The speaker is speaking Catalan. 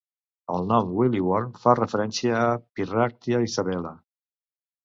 El nom "Woolly Worm" fa referència a "Pyrrharctia isabella".